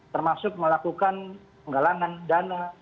termasuk melakukan penggalangan dana